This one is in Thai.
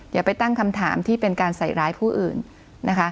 อย่าไปตั้งคำถามที่เป็นการใส่ร้ายผู้อื่นนะคะ